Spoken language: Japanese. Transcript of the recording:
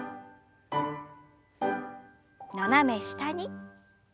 斜め下に。